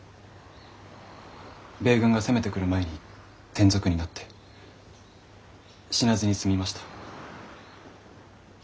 米軍が攻めてくる前に転属になって死なずに済みました。